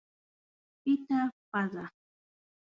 پیته پزه